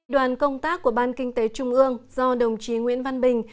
đoàn công tác của ban kinh tế trung ương do đồng chí nguyễn văn bình